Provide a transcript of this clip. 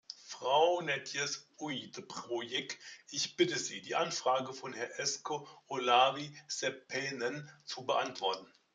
Frau Neyts-Uyttebroeck, ich bitte Sie, die Anfrage von Herrn Esko Olavi Seppänen zu beantworten.